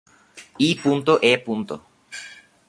I. e.